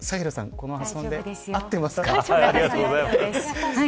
この発音で合ってますか。